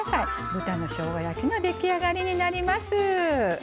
豚のしょうが焼きの出来上がりになります。